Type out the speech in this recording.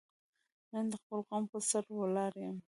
نن د خپل قوم په سر ولاړ یم.